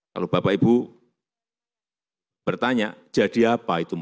kalau bapak ibu bertanya jadi apa itu empat ratus enam puluh delapan triliun